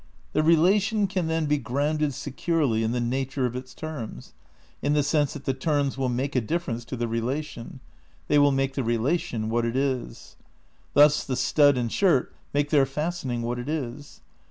The relation can then be grounded securely in the nature of its terms, in the sense that the terms will "make a difference to" the relation; they will make the relation what it is. Thus the stud and shirt make their fastening what it is.